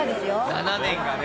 ７年がね。